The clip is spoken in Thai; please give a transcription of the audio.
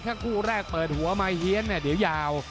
ถ้าคู่แรกเปิดหัวมาเฮียนเนี่ยเดี๋ยวยาว